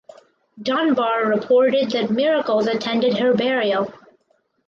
Dunbar reported that "miracles attended her burial".